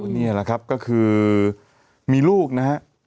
นี่แหละครับก็คือมีลูกนะฮะ